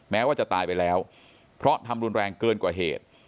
แม้ว่าจะตายไปแล้วเพราะทำรุนแรงเกินกว่าเหตุ